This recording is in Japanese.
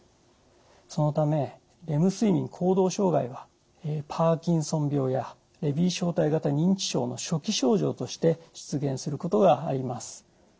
そのためレム睡眠行動障害はパーキンソン病やレビー小体型認知症の初期症状として出現することがあります。